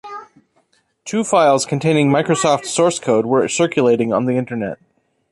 Two files containing Microsoft source code were circulating on the Internet.